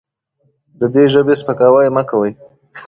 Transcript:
د دې ژبې سپکاوی مه کوئ.